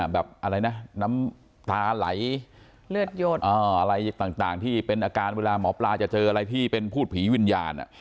แบบอะไรนะน้ำตาไหลเลือดยนอะไรต่างที่เป็นอาการเวลาหมอปลาจะเจออะไรที่เป็นพูดผีวิญญาณ